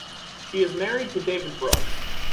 She is married to David Brooks.